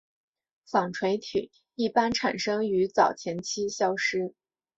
纺锤体一般产生于早前期消失。